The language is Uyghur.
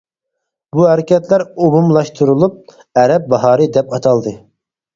بۇ ھەرىكەتلەر ئومۇملاشتۇرۇلۇپ «ئەرەب باھارى» دەپ ئاتالدى.